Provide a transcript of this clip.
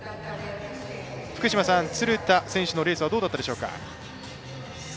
鶴田選手のレースはどうだったでしょうか？